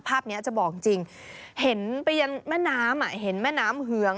ภาพนี้จะบอกจริงเห็นไปยังแม่น้ำเห็นแม่น้ำเหือง